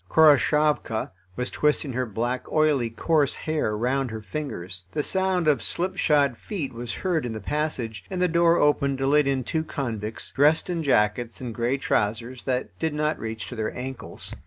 Khoroshavka was twisting her black, oily, coarse hair round her fingers. The sound of slipshod feet was heard in the passage, and the door opened to let in two convicts, dressed in jackets and grey trousers that did not reach to their ankles.